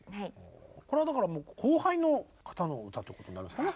これはだから後輩の方の歌ってことになりますかね。